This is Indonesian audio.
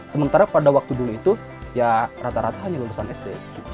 sementara pada waktu dulu itu ya rata rata hanya lulusan sd